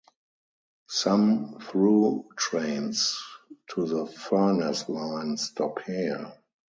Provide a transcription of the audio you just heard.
Some through trains to the Furness Line stop here.